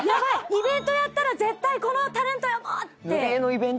イベントやったら絶対このタレント呼ぼう」って。